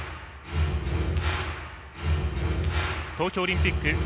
東京オリンピック